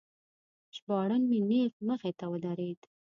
ژباړن مې نیغ مخې ته ودرید.